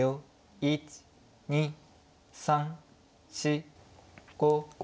１２３４５。